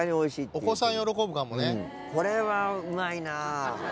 うんこれはうまいな！